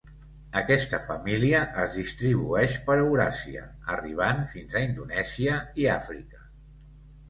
Aquesta família es distribueix per Euràsia, arribant fins a Indonèsia i Àfrica.